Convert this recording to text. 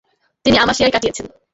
তিনি আমাসিয়ায় কাটিয়েছেন।